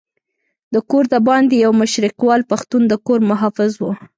د کور دباندې یو مشرقیوال پښتون د کور محافظ وو.